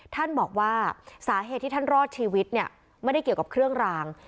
ท่านบอกว่าสาเหตุที่ท่านรอดชีวิตเนี่ยไม่ได้เกี่ยวกับเครื่องราง